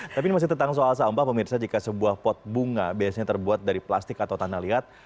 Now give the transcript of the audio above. tapi ini masih tentang soal sampah pemirsa jika sebuah pot bunga biasanya terbuat dari plastik atau tanah liat